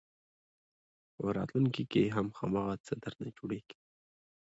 په راتلونکي کې هم هماغه څه درنه جوړېږي.